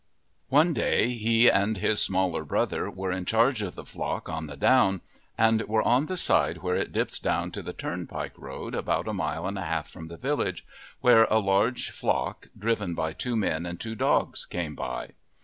One day he and his smaller brother were in charge of the flock on the down, and were on the side where it dips down to the turnpike road about a mile and a half from the village, where a large flock, driven by two men and two dogs, came by.